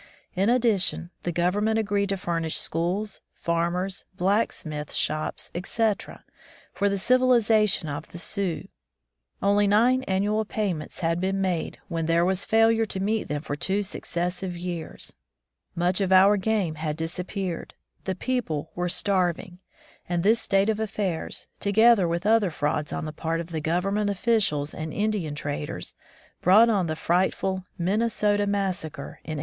In addition, the Government agreed to furnish schools, farmers, black smith shops, etc. for the civilization of the Sioux. Only nine annual payments had been made when there was failure to meet them for two successive years. Much of our game had disappeared; the people were starving; and this state of affairs, together with other frauds on the part of Government officials and Indian traders, brought on the frightful ^'Minnesota massa cre" in 1862.